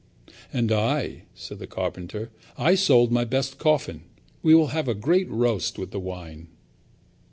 "And I," said the carpenter, "I sold my best coffin. We will have a great roast with the wine."